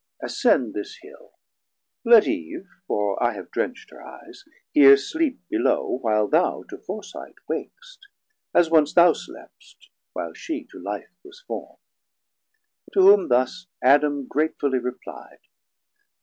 Ascend This Hill; let Eve (for I have drencht her eyes) Here sleep below while thou to foresight wak'st, As once thou slepst, while Shee to life was formd. To whom thus Adam gratefully repli'd.